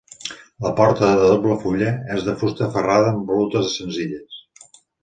La porta, de doble fulla, és de fusta ferrada amb volutes senzilles.